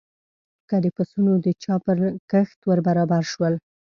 که د پسونو د چا پر کښت ور برابر شول.